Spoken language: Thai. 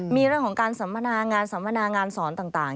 มีเรื่องของการสัมมนางานสัมมนางานสอนต่าง